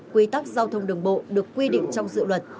quy tắc giao thông đường bộ được quy định trong dự luật